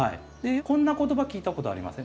こんな言葉聞いたことありません？